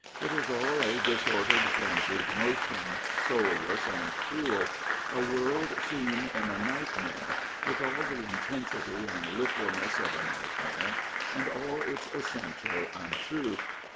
It is all a disordered, frenzied motion, soulless and cruel — a world seen in a nightmare, with all the intensity and literalness of a nightmare and all its essential untruth.